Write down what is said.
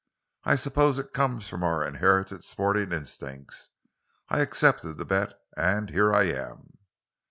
I suppose it comes from our inherited sporting instincts. I accepted the bet and here I am."